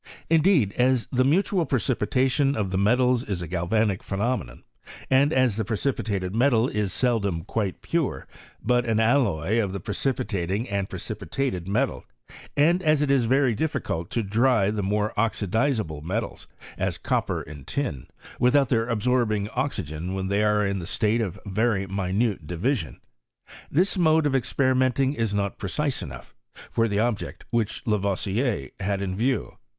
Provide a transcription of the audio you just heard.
Indeed, as the mutual precipitation of the metals is a galvanic phe nomenon, and as the precipitated metal is seldom quite pure, but an alloy of the precipitating and precipitated metal ; and as it is very difficult to dry the more oxidizable metals, as copper and tin, without their absorbing oxygen when they are in a state of very minute division ; this mode of experi menting is not precise enough for the object which Lavoisier had in view.